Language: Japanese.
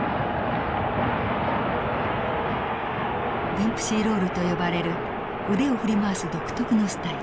デンプシー・ロールと呼ばれる腕を振り回す独特のスタイル。